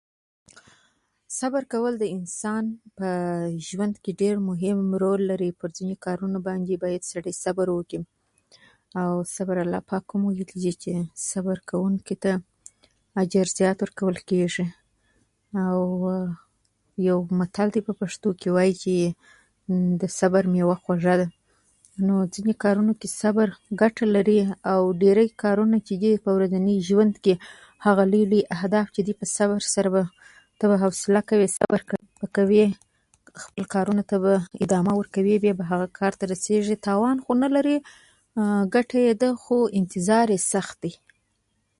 صبر کول د انسان په ژوند کې ډېر رول لري په ځينو کارونو باید صبر وکړي او الله پاک هم ویلي دي چې صبر کوونکي ته اجر زیات ورکول کیږي او یو متل دی په پښتو کې چې وايي د صبر میوه خوږه ده نو ځينو کارونو کې صبر ګټه لري او ډیری کارونه چې دي په ورځني ژوند کې هغه لوی لوی اهداف چې دي په صبر سره به ته به حوصله کوي ته به صبر کوي خپلو کارونو ته به ادامه ورکوي بیا به هغه کار ته رسیږي تاوان خو نلري ګټه یې ده خو انتظار یې سخت دی